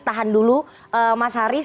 tahan dulu mas haris